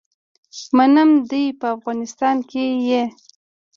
منم دی چې په افغانستان کي يي